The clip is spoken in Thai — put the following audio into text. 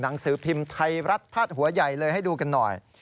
หนังสือพิมพ์ไทยรัฐพาดหัวใหญ่เลยให้ดูกันหน่อย